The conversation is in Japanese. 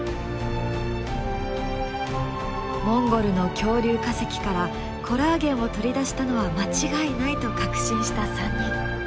モンゴルの恐竜化石からコラーゲンを取り出したのは間違いないと確信した３人。